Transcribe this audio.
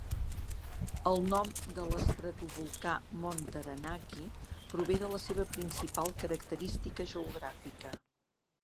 El nom de l'estratovolcà Mont Taranaki prové de la seva principal característica geogràfica.